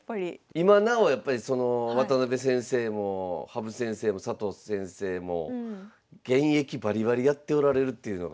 今なおやっぱり渡辺先生も羽生先生も佐藤先生も現役バリバリやっておられるっていうのが。